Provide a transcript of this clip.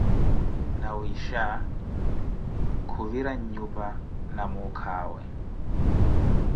nawiisha khuvira nnyupa na mukhawe